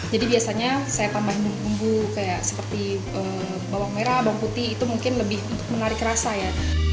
jadi biasanya saya tambahin bumbu bumbu seperti bawang merah bawang putih itu mungkin lebih menarik rasa ya